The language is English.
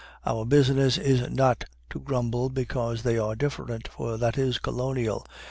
Our business is not to grumble because they are different, for that is colonial.